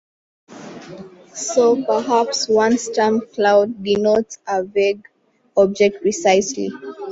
So perhaps one's term 'cloud' denotes a vague object precisely.